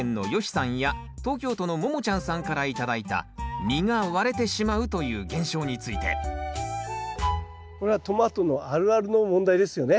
さんや東京都のももちゃんさんから頂いた実が割れてしまうという現象についてこれはトマトのあるあるの問題ですよね。